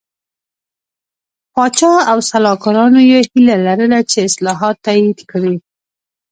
پاچا او سلاکارانو یې هیله لرله چې اصلاحات تایید کړي.